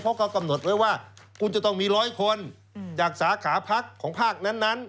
เพราะเขากำหนดเองว่าเขาจะต้องมี๑๐๐คนจากสาขาภักษณ์ของภาคนั้น